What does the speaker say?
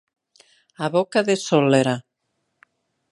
A boca de sól·lera.